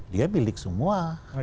dia milik semua